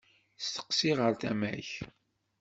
Steqsi ɣer tama-k.